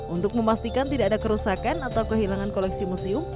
untuk memastikan tidak ada kerusakan atau kehilangan koleksi museum